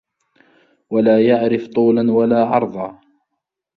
وَلَا يَعْرِف طُولًا وَلَا عَرْضًا